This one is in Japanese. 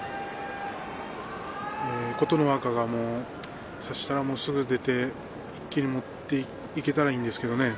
琴ノ若が差したらもう出て一気に持っていけたらいいんですけどね。